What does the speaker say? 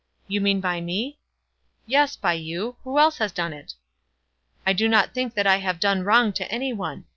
"Do you mean by me?" "Yes, by you. Who else has done it?" "I do not think that I have done wrong to any one.